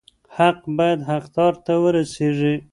حق بايد حقدار ته ورسيږي.